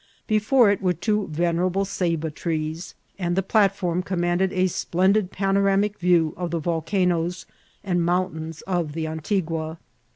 Before it were two venerable Ceiba trees, and the plat form commanded a splendid panoramic view of the vol canoes and mountains of the Antigua.